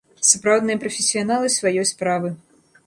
Сапраўдныя прафесіяналы сваёй справы.